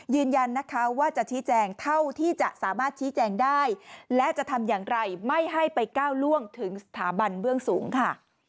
ยืนยันนะคะว่าจะชี้แจงเท่าที่จะสามารถชี้แจงได้และจะทำอย่างไรไม่ให้ไปก้าวล่วงถึงสถาบันเบื้องสูงค่ะ